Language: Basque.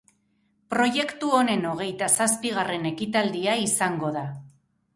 Proiektu honen hogeita zazpigarren ekitaldia izango da.